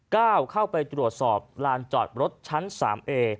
เข้าไปตรวจสอบลานจอดรถชั้นสามเอ